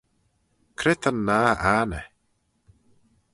Cre ta'n nah anney?